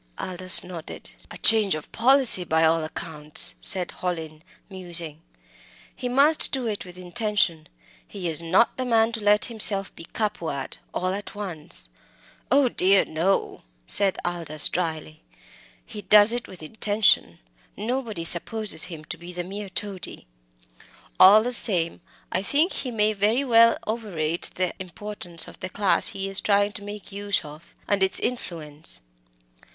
Aldous nodded. "A change of policy by all accounts," said Hallin, musing. "He must do it with intention. He is not the man to let himself be be Capua ed all at once." "Oh dear, no!" said Aldous, drily. "He does it with intention. Nobody supposes him to be the mere toady. All the same I think he may very well overrate the importance of the class he is trying to make use of, and its influence.